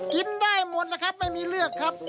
กินได้หมดแล้วครับไม่มีเลือกครับ